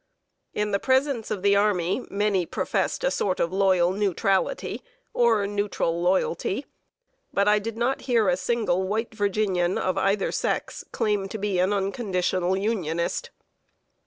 In the presence of the army, many professed a sort of loyal neutrality, or neutral loyalty; but I did not hear a single white Virginian of either sex claim to be an unconditional Unionist.